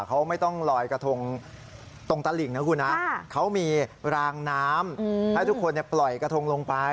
เขาไม่ต้องลอยกระทงตรงตลิ่งนะคุณนะเขามีรางน้ำให้ทุกคนปล่อยกระทงลงไป